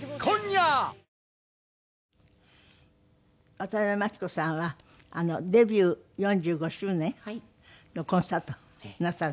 渡辺真知子さんはデビュー４５周年のコンサートをなさる。